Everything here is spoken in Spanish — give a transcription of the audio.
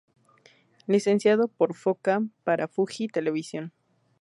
Licenciado por Foca para Fuji Televisión.